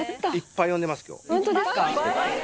ホントですか？